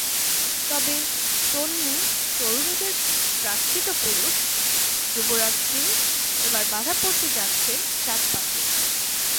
তবে তন্বী-তরুণীদের প্রার্থিত পুরুষ যুবরাজ সিং এবার বাঁধা পড়তে যাচ্ছেন সাত পাকে।